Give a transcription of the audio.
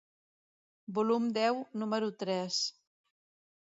Volum deu, número tres.